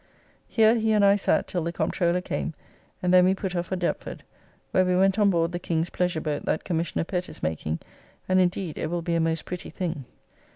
Here he and I sat till the Comptroller came and then we put off for Deptford, where we went on board the King's pleasure boat that Commissioner Pett is making, and indeed it will be a most pretty thing.